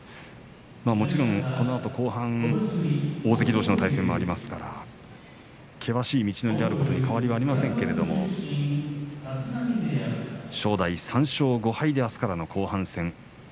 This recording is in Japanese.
もちろんこのあと後半大関どうしの対戦もありますから険しい道のりであることに変わりはありませんけれども正代、３勝５敗であすからの後半戦。